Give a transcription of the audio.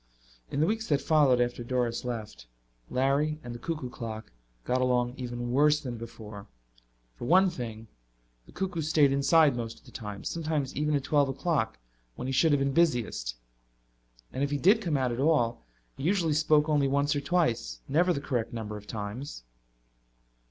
In the weeks that followed after Doris left, Larry and the cuckoo clock got along even worse than before. For one thing, the cuckoo stayed inside most of the time, sometimes even at twelve o'clock when he should have been busiest. And if he did come out at all he usually spoke only once or twice, never the correct number of times.